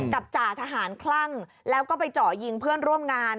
จ่าทหารคลั่งแล้วก็ไปเจาะยิงเพื่อนร่วมงาน